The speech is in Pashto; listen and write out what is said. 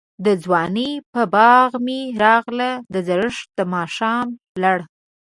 دځوانۍ په باغ می راغله، دزړښت دماښام لړه